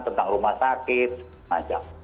tentang rumah sakit macam